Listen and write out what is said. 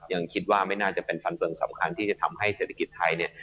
ยังคิดว่าไม่น่าจะเป็นฟันเฟืองสำคัญที่จะทำให้เศรษฐกิจไทยเนี่ย